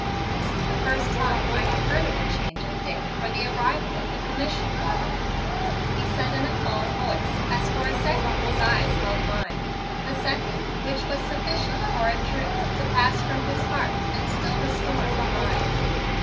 "This is the first time I have heard of a change of date for the arrival of the commission, Robert," he said in a calm voice as for a second his eyes held mine, a second which was sufficient for a truth to pass from his heart and still the storm in mine.